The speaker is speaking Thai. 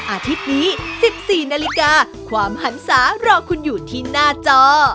อาทิตย์นี้๑๔นาฬิกาความหันศารอคุณอยู่ที่หน้าจอ